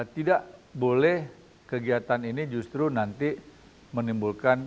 tidak boleh kegiatan ini justru nanti menimbulkan